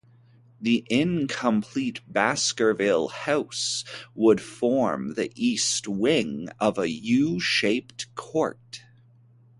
The incomplete Baskerville House would form the east wing of a U-shaped court.